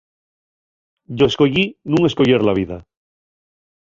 Yo escoyí nun escoyer la vida.